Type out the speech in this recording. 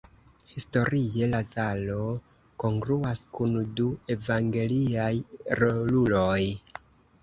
Historie Lazaro kongruas kun du evangeliaj roluloj.